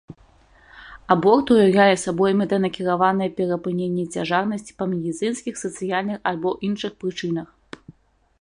Аборт уяўляе сабой мэтанакіраванае перапыненне цяжарнасці па медыцынскіх, сацыяльных альбо іншых прычынах.